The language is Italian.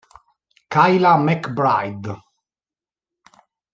Kayla McBride